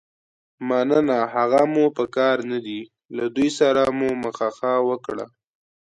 مننه، هغه مو په کار نه دي، له دوی سره مو مخه ښه وکړه.